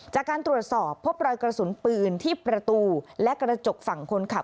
จากการตรวจสอบพบรอยกระสุนปืนที่ประตูและกระจกฝั่งคนขับ